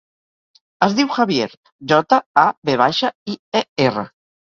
Es diu Javier: jota, a, ve baixa, i, e, erra.